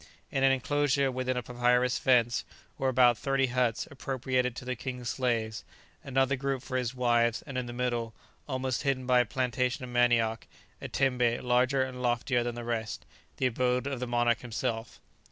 In an enclosure within a papyrus fence were about thirty huts appropriated to the king's slaves, another group for his wives, and in the middle, almost hidden by a plantation of manioc, a tembé larger and loftier than the rest, the abode of the monarch himself.